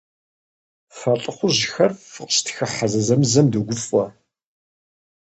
Фэ лӀыхъужьхэр фыкъыщытхыхьэ зэзэмызэм догуфӀэ.